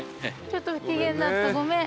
ちょっと不機嫌なったごめん。